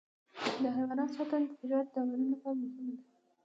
د حیواناتو ساتنه د طبیعت د توازن لپاره مهمه ده.